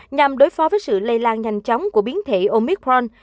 nhằm đối phó với sự lây lan nhanh chóng của biến thể omicron